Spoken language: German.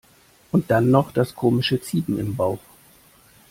Und dann noch das komische ziepen im Bauch.